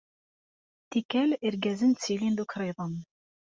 Tikkal, irgazen ttilin d ukriḍen.